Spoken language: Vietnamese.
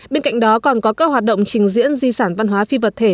bên cạnh đó còn có các hoạt động trình diễn di sản văn hóa phi vật thể